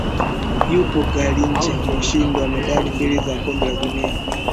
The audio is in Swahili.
Yupo Garrincha mshindi wa medali mbili za kombe la dunia